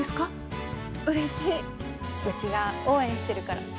うちが応援してるから。